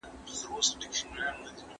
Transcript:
هر نظام چې پر ظلم ولاړ وي د سقوط په لور ځي.